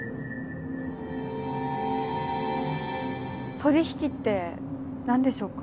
取引ってなんでしょうか？